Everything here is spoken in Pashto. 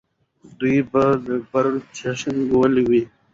دوی به د بري جشن نیولی وي.